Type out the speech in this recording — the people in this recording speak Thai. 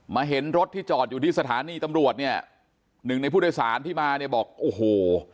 เห็นรถที่จอดอยู่ที่สถานีตำรวจเนี่ยหนึ่งในผู้โดยสารที่มาเนี่ยบอกโอ้โห